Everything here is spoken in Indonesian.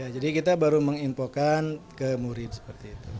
jadi kita baru menginfokan ke murid seperti itu